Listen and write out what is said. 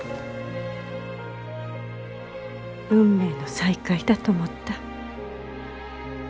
運命の再会だと思った。